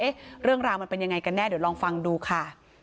เรื่องราวมันเป็นยังไงกันแน่เดี๋ยวลองฟังดูค่ะ